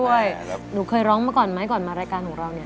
เดี๋ยวเคยร้องมาก่อนไหมก่อนมารายการหนูร้องเนี่ย